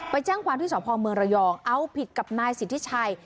ไปแจ้งความที่สพเมืองระยองเอาผิดกับนายสิทธิชัย